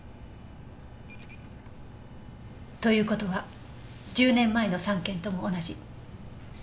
という事は１０年前の３件とも同じ。